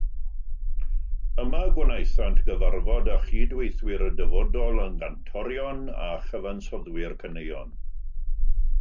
Yma y gwnaethant gyfarfod â chydweithwyr y dyfodol, yn gantorion a chyfansoddwyr caneuon.